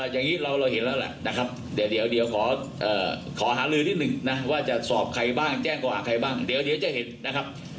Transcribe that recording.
อย่างนี้เราเห็นแล้วแหละนะครับเดี๋ยวขอหาลือนิดหนึ่งนะว่าจะสอบใครบ้างแจ้งกว่าใครบ้างเดี๋ยวจะเห็นนะครับ